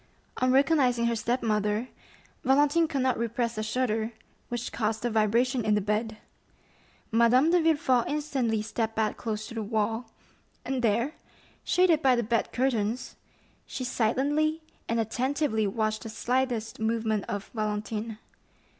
On recognizing her step mother, Valentine could not repress a shudder, which caused a vibration in the bed. Madame de Villefort instantly stepped back close to the wall, and there, shaded by the bed curtains, she silently and attentively watched the slightest movement of Valentine.